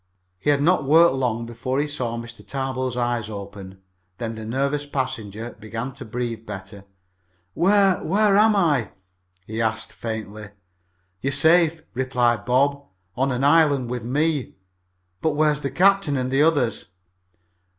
He had not worked long before he saw Mr. Tarbill's eyes open. Then the nervous passenger began to breathe better. "Where where am I?" he asked faintly. "You're safe," replied Bob. "On an island with me. But where is the captain and the others?"